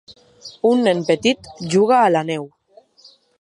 Un nen petit juga a la neu.